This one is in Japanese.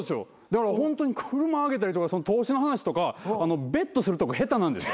だからホントに車あげたりとか投資の話とかベットするとこ下手なんです。